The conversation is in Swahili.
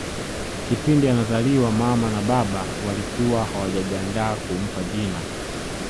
Kipindi anazaliwa mama na baba walikuwa hawajajiandaa kumpa jina